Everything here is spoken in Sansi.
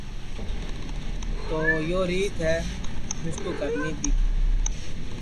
تو یو ریت ہے مِسکُو کرنی تی